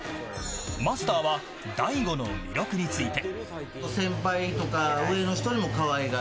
マスターは大悟の魅力について。